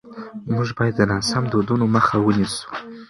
موږ باید د ناسم دودونو مخه ونیسو.